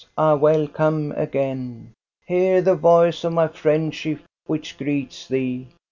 Ah 1 welcome again ! Hear the voice of my friendship, which greets thee.